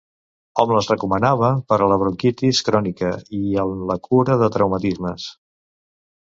Hom les recomanava per a la bronquitis crònica i en la cura de traumatismes.